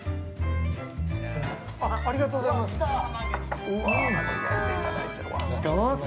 ◆ありがとうございます。